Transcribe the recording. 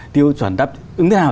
tiêu chuẩn đáp ứng thế nào